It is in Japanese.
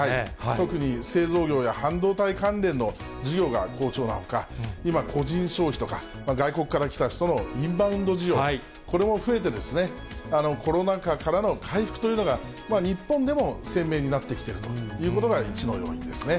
特に製造業や半導体関連の事業が好調なほか、今、個人消費とか、外国から来た人のインバウンド需要、これも増えてですね、コロナ禍からの回復というのが、日本でも鮮明になってきているということが、一の要因ですね。